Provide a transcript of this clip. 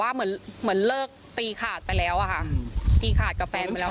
ก็คือเหมือนเลิกตีขาดว่าตีขาดกันไปแล้วค่ะ